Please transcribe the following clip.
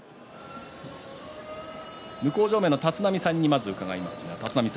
向正面の立浪さんに伺います。